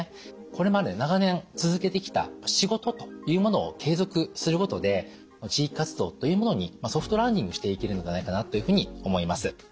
これまで長年続けてきた仕事というものを継続することで地域活動というものにソフトランディングしていけるのではないかなというふうに思います。